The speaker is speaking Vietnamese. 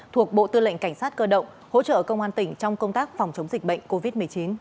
thuộc bộ tư lệnh cảnh sát cơ động hỗ trợ công an tỉnh trong công tác phòng chống dịch bệnh covid một mươi chín